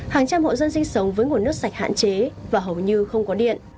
hàng trăm hộ dân sinh sống với nguồn nước sạch hạn chế và hầu như không có điện